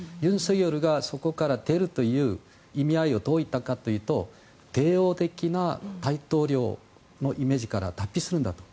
尹錫悦がそこから出るという意味合いはどういうことかというと帝王的な大統領のイメージから脱皮するんだと。